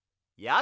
や